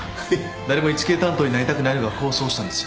誰もイチケイ担当になりたくないのが功を奏したんですよ。